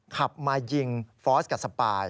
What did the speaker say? ขับมายิงฟอสกับสปาย